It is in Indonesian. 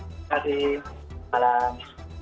terima kasih selamat malam